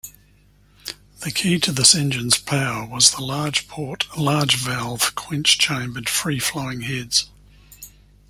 The key to this engine's power was the large-port, large-valve, quench-chambered, free-flowing heads.